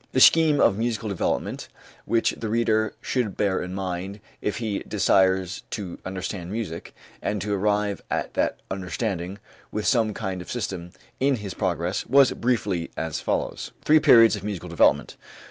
The scheme of musical development which the reader should bear in mind if he desires to understand music, and to arrive at that understanding with some kind of system in his progress, was briefly as follows: Three Periods of Musical Development.